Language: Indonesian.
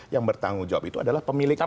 yang bertanggung jawab itu adalah pemilik